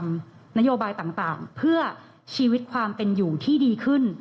กับพี่น้องไว้ว่าจะทำนโยบายต่างเพื่อชีวิตความเป็นอยู่ที่ดีขึ้น